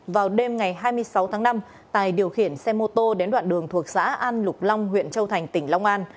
vào đêm ngày hai mươi sáu tháng năm tài điều khiển xe mô tô đến đoạn đường thuộc xã an lục long huyện châu thành tỉnh long an